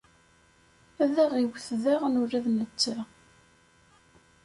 Ad aɣ-iwwet daɣen ula d netta.